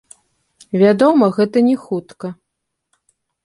Вядома, гэта не хутка.